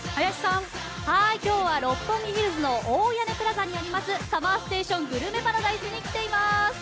今日は六本木ヒルズの大屋根プラザにあります「ＳＵＭＭＥＲＳＴＡＴＩＯＮグルメパラダイス」に来ています。